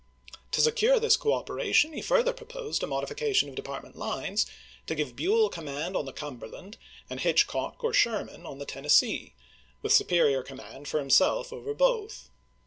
To secure this coop eratioD, he further proposed a modification of department lines to give Buell command on the Cumberland and Hitchcock or Sherman on the Tennessee, with superior command for himself over both.